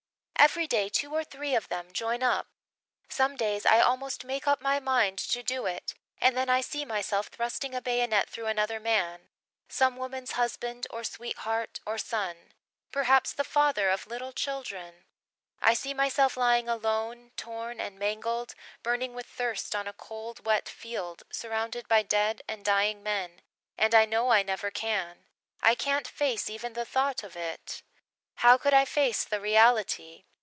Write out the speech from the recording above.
Every day two or three of them join up. Some days I almost make up my mind to do it and then I see myself thrusting a bayonet through another man some woman's husband or sweetheart or son perhaps the father of little children I see myself lying alone torn and mangled, burning with thirst on a cold, wet field, surrounded by dead and dying men and I know I never can. I can't face even the thought of it. How could I face the reality?